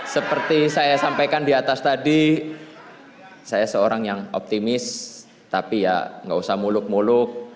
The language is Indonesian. seperti saya sampaikan di atas tadi saya seorang yang optimis tapi ya nggak usah muluk muluk